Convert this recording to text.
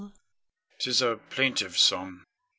Con. 'Tis a plaintive song.